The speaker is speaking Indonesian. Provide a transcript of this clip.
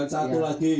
ikan belut pak